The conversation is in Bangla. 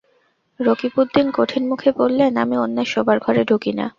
রকিবউদ্দিন কঠিন মুখে বললেন, আমি অন্যের শোবার ঘরে ঢুকি না।